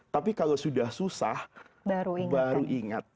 tapi kalau sudah susah baru ingat